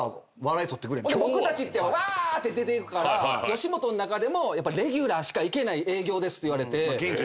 僕たちってわ！って出ていくから吉本の中でもレギュラーしか行けない営業ですって言われて。